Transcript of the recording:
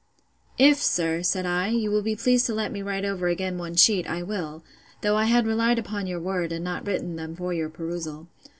If, sir, said I, you will be pleased to let me write over again one sheet, I will; though I had relied upon your word, and not written them for your perusal.